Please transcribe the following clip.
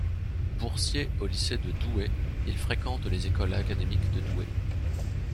Boursier au lycée de Douai, il fréquente les écoles académiques de Douai.